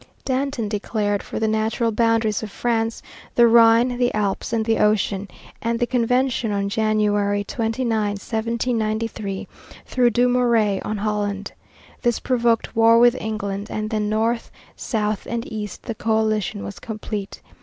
Danton declared for the natural boundaries of France, the Rhine, the Alps, and the ocean, and the Convention, on January 29, 1793, threw Dumouriez on Holland. This provoked war with England, and then north, south, and east the coalition was complete.